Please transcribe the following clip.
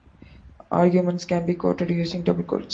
Arguments can be quoted using double-quotes.